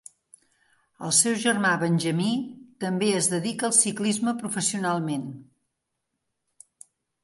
El seu germà Benjamí també es dedica al ciclisme professionalment.